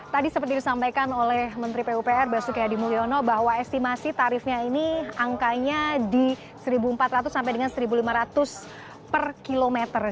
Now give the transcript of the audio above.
tadi seperti disampaikan oleh menteri pupr basuki hadi mulyono bahwa estimasi tarifnya ini angkanya di rp satu empat ratus sampai dengan rp satu lima ratus per kilometer